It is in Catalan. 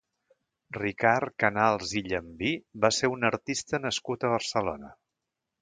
Ricard Canals i Llambí va ser un artista nascut a Barcelona.